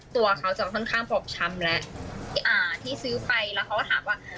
ตัวเขาจะทั้งพรอบช้ำแล้วห้าที่ซื้อไปแล้วก็ถามว่า